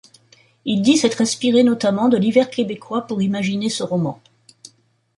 Il dit s'être inspiré notamment de l'hiver québécois pour imaginer ce roman.